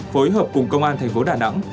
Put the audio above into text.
phối hợp cùng công an thành phố đà nẵng